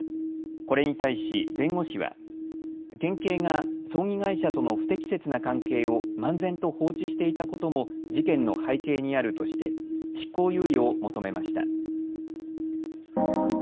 これに対し弁護士は県警が葬儀会社との不適切な関係を漫然と放置していたことも事件の背景にあるとして執行猶予を求めました。